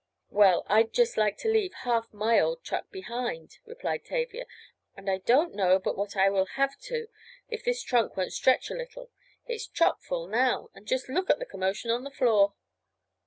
"Well, I'd just like to leave half my old truck behind," replied Tavia, "and I don't know but what I will have to if this trunk won't stretch a little. It's chock full now, and just look at the commotion on the floor."